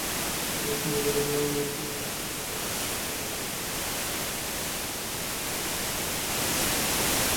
সেই জাস্টিন বিবারের নাকি এরই মধ্যে সন্তানের বাবা হওয়ার খায়েশ জেগেছে।